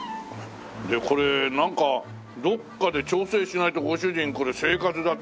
でこれなんかどっかで調整しないとご主人これ生活だって。